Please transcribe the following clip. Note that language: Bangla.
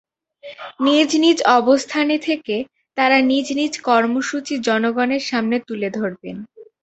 নিজ নিজ অবস্থানে থেকে তারা নিজ নিজ কর্মসূচি জনগণের সামনে তুলে ধরবেন।